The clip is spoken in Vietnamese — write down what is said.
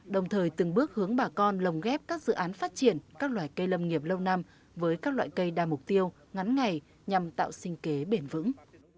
đồng thời từng bước hướng bà con lồng ghép các dự án phát triển các loài cây lâm nghiệp lâu năm với các loại cây đa mục tiêu ngắn ngày nhằm tạo sinh kế bền vững